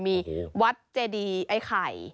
มีวัดเจดีไอ้ไข่